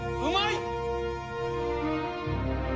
うまい！